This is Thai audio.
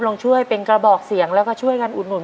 ลงช่วยเป็นกระบอกเสียงแล้วก็ช่วยกันอุดหนุน